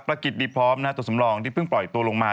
กิจดีพร้อมตัวสำรองที่เพิ่งปล่อยตัวลงมา